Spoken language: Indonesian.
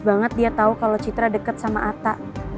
pas banget dia tau kalau citra deket sama atta